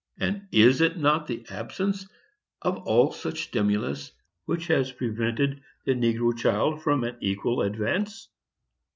And is it not the absence of all such stimulus which has prevented the negro child from an equal advance?